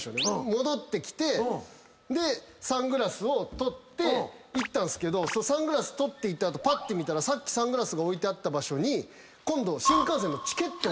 戻ってきてサングラスを取って行ったんすけどサングラス取っていった後見たらサングラスが置いてあった場所に今度新幹線のチケット。